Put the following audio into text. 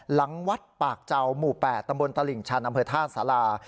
หลังวัดปากเจ้าหมู่๘ตำบลตลิ่งชันอำเภอท่าสารา